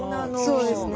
そうですね。